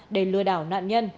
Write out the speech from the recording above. để lừa đảo nạn nhân